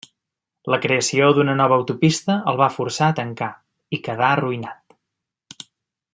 La creació d'una nova autopista el va forçar a tancar i quedà arruïnat.